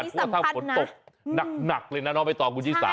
อันนี้สำคัญนะเพราะถ้าฝนตกหนักหนักเลยน่ะเนาะไอ้ตองกูจิสา